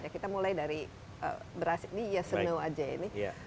kita mulai dari beras ini yes a know aja ini